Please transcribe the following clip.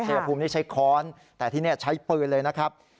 ชายภูมินี่ใช้ค้อนแต่ที่นี่ใช้ปืนเลยนะครับ